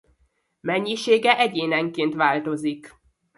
Mennyisége egyénenként változik.